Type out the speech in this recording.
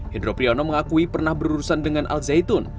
hendro priyono mengakui pernah berurusan dengan al zaitun